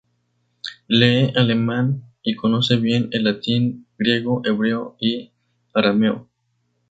Lee alemán, y conoce bien el latín, griego, hebreo y arameo.